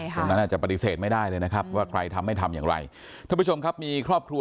เพราะฉะนั้นจะปฏิเสธไม่ได้เลยนะครับว่าใครทำไม่ทำอย่างไร